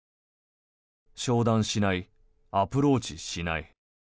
商談しない、アプローチしない。